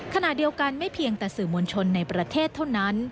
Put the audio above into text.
ขณะเดียวกันไม่เพียงแต่สื่อมวลชนในประเทศเท่านั้น